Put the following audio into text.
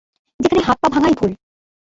যেখানে হাত-পা ভাঙাই ভুল।